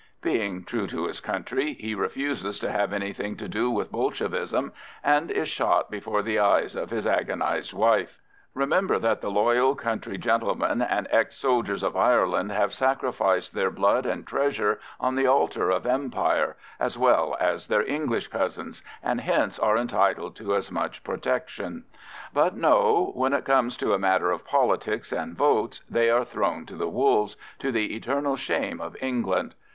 Being true to his country, he refuses to have anything to do with Bolshevism, and is shot before the eyes of his agonised wife. Remember that the loyal country gentlemen and ex soldiers of Ireland have sacrificed their blood and treasure on the altar of Empire as well as their English cousins, and hence are entitled to as much protection. But no, when it comes to a matter of politics and votes they are thrown to the wolves, to the eternal shame of England.